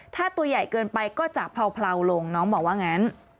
ถ้าตัวใหญ่เกินไปก็จะเผาลงน้องบอกว่างั้น